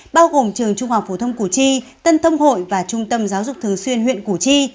bao gồm trường trung học phổ thông củ chi tân thông hội và trung tâm giáo dục thường xuyên huyện củ chi